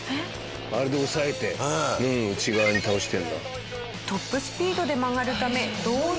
あれで押さえて内側に倒してるんだ。